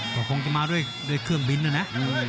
ก็คงจะมาด้วยเครื่องบินนะนะ